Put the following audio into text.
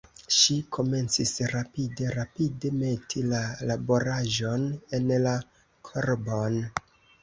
Ŝi komencis rapide, rapide meti la laboraĵon en la korbon.